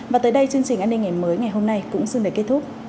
và tới đây chương trình an ninh ngày mới ngày hôm nay cũng xưng đầy kết thúc